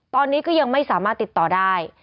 ตอนนี้ก็ยังไม่สามารถติดต่อได้